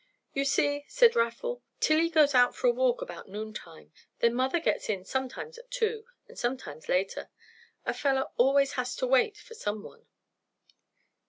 "You see," said Raffle, "Tillie goes out for a walk about noon time, then mother gets in sometimes at two, and sometimes later. A feller always has to wait for someone."